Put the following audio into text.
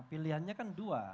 pilihannya kan dua